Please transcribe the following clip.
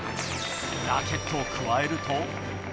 ラケットをくわえると。